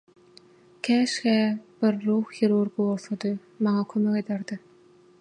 Käşgä bir ruh hirurgy bolsady, maňa kömek ederdi.